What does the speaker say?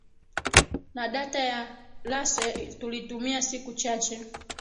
na data ya laser Tulitumia siku chache